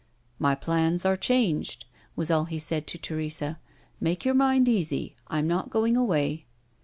"My plans are changed," was all he said to Teresa. "Make your mind easy; I'm not going away."